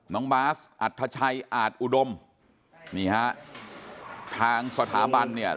น้องบาสอัธชัยอาจอุดมนี่ฮะทางสถาบันเนี่ย